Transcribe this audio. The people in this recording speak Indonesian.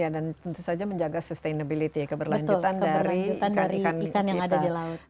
dan tentu saja menjaga sustainability ya keberlanjutan dari ikan ikan yang ada di laut